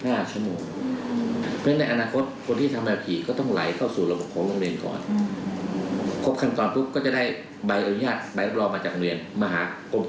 เพราะฉะนั้นในอนาคตคนที่จะทำแนวขี่ก็ต้องไหลเข้าสู่ระบบของโรงเรียนก่อน